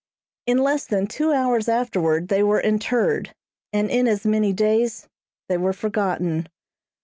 In less than two hours afterward they were interred, and in as many days they were forgotten.